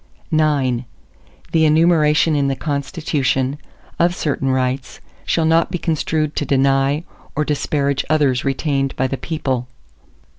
ARTICLE IX The enumeration in the Constitution, of certain rights, shall not be construed to deny or disparage others retained by the people.